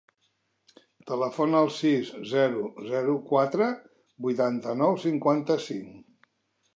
Telefona al sis, zero, zero, quatre, vuitanta-nou, cinquanta-cinc.